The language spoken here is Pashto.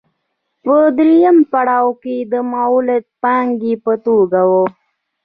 په دویم پړاو کې د مولده پانګې په توګه وه